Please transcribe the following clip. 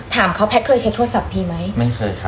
ถามเขาแพทย์เคยใช้โทรศัพท์ทีไหมไม่เคยครับ